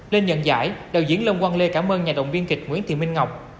lên nhận giải đạo diễn lông quang lê cảm ơn nhà động viên kịch nguyễn thị minh ngọc